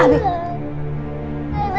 aku mau ke sekolah